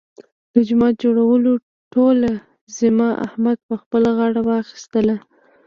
د جومات جوړولو ټوله ذمه احمد په خپله غاړه واخیستله.